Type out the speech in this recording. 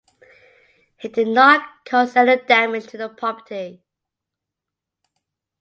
He did not cause any damage to the property.